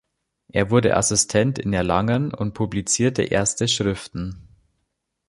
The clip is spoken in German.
Er wurde Assistent in Erlangen und publizierte erste Schriften.